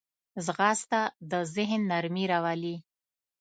ځغاسته د ذهن نرمي راولي